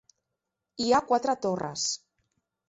Hi ha quatre torres.